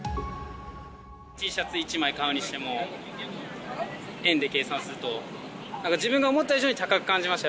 Ｔシャツ１枚買うにしても、円で計算すると、自分が思った以上に高く感じました。